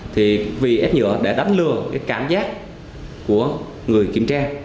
thì vì ép nhựa để đánh lừa cái cảm giác của người kiểm tra